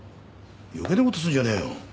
余計なことすんじゃねえよ。